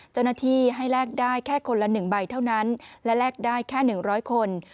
เจ้าหน้าที่ให้แลกได้แค่คนละ๑ใบเท่านั้นและแลกได้แค่๑๐๐คน